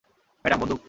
Madam, বন্দুক?